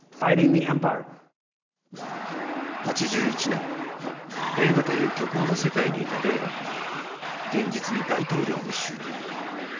８１年映画という虚構の世界にいたレーガンが現実に大統領に就任。